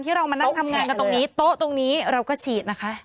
เรามานั่งทำงานกันตรงนี้โต๊ะตรงนี้เราก็ฉีดนะคะ